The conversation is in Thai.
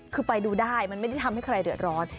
คือไปดูได้มันไม่ได้ทำให้ใครเดือดร้อน